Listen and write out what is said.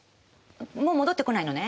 もう戻ってこないのね。